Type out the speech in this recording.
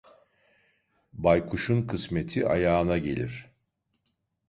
Baykuşun kısmeti ayağına gelir.